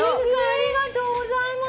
ありがとうございます！